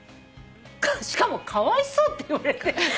しかも「かわいそう」って言われて。